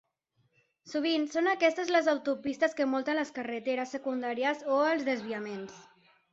Sovint són aquestes les autopistes que envolten les carreteres secundàries o els desviaments.